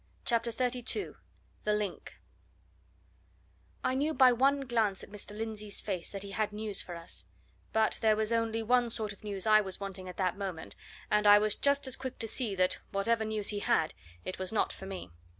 CHAPTER XXXII THE LINK I knew by one glance at Mr. Lindsey's face that he had news for us; but there was only one sort of news I was wanting at that moment, and I was just as quick to see that, whatever news he had, it was not for me.